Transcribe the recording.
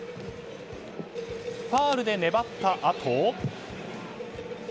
ファウルで粘ったあと。